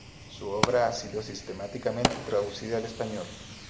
Su obra ha sido sistemáticamente traducida al español.